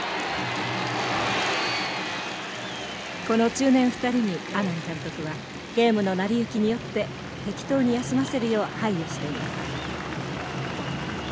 この中年２人に阿南監督はゲームの成り行きによって適当に休ませるよう配慮しています。